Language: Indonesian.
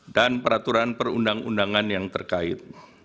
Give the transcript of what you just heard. dan peraturan perundang undangan yang terkait